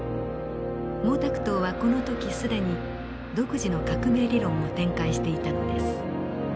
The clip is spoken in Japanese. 毛沢東はこの時既に独自の革命理論を展開していたのです。